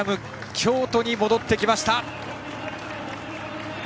京都に戻ってきました。